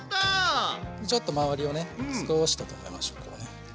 ちょっと周りをね少し整えましょうこうね。